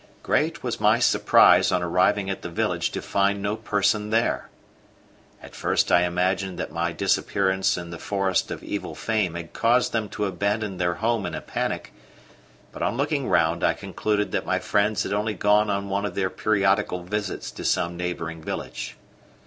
Great was my surprise on arriving at the village to find no person there. At first I imagined that my disappearance in the forest of evil fame had caused them to abandon their home in a panic; but on looking round I concluded that my friends had only gone on one of their periodical visits to some neighbouring village.